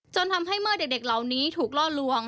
จนทำให้เมื่อเด็กเหล่านี้ถูกล่อลวง